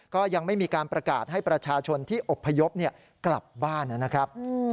ก็ยังไม่มีการประกาศให้ประชาชนที่อบพยพกลับบ้านนะครับ